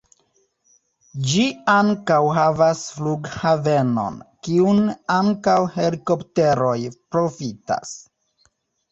Ĝi ankaŭ havas flughavenon, kiun ankaŭ helikopteroj profitas.